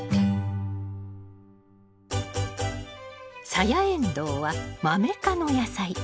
サヤエンドウはマメ科の野菜。